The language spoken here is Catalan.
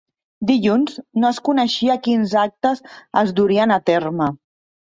Dilluns no es coneixia quins actes es durien a terme.